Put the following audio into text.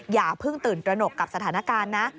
อย่าเพิ่งตื่นตระหนกกับสถานการณ์นะ